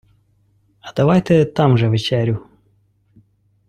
- А давайте там вже вечерю...